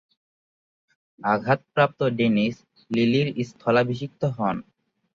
আঘাতপ্রাপ্ত ডেনিস লিলি’র স্থলাভিষিক্ত হন।